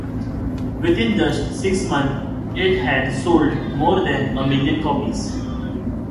Within just six months, it had sold more than a million copies.